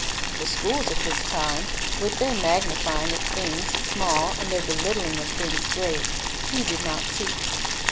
The schools of His time, with their mag nifying of things small and their belittling of things great, He did not . seek.